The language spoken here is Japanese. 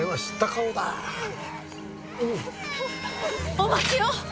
お待ちを！